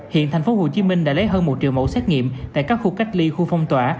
hiện tp hcm đã lấy hơn một triệu mẫu xét nghiệm tại các khu cách ly khu phong tỏa